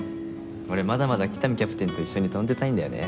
俺まだまだ喜多見キャプテンと一緒に飛んでたいんだよね。